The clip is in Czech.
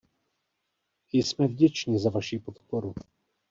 Jsme vděčni za vaši podporu.